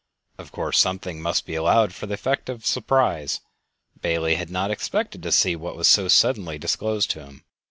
Of course, something must be allowed for the effect of surprise; Bailey had not expected to see what was so suddenly disclosed to him.